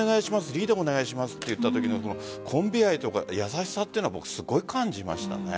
リーダーお願いしますと言ったときのコンビ愛とか優しさをすごい感じました。